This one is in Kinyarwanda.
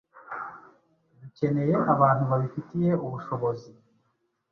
dukeneye abantu babifitiye ubushobozi